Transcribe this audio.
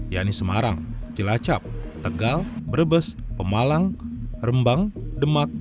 yaitu semarang jelacap tegal brebes pemalang rembang demak